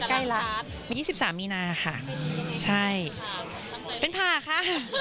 ใกล้แล้ว๒๓มีนาค่ะใช่เป็นผ่าค่ะ